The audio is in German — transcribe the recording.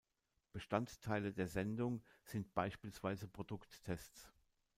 Bestandteile der Sendung sind beispielsweise Produkttests.